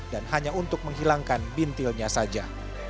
dan hanya untuk menghilangkan bintilnya saja